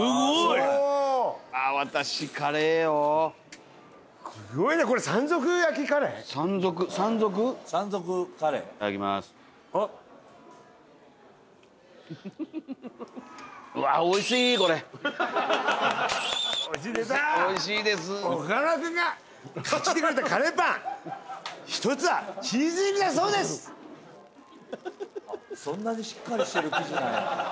そんなにしっかりしてる生地なんや。